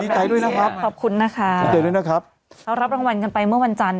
ใจด้วยนะครับขอบคุณนะคะดีใจด้วยนะครับเขารับรางวัลกันไปเมื่อวันจันทร์